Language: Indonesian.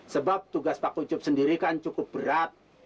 sebab tugas pak kucup sendiri kan cukup berat